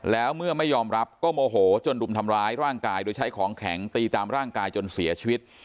แล้วเมื่อไม่ยอมรับก็โมโหจนรุมทำร้ายร่างกายโดยใช้ของแข็งตีตามร่างกายจนเสียชีวิต